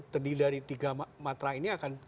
terdiri dari tiga matra ini akan